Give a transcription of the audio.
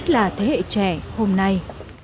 đây là thế hệ trẻ hôm nay